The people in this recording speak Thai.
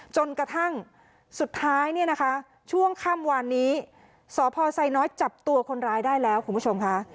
จนกระทั่งสุดท้ายเนี่ยนะคะช่วงค่ำวานนี้สพไซน้อยจับตัวคนร้ายได้แล้วคุณผู้ชมค่ะ